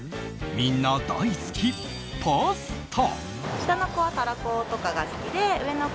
みんな大好きパスタ。